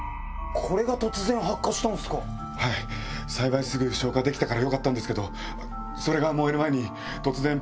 はい幸いすぐ消火できたからよかったんですけどそれが燃える前に。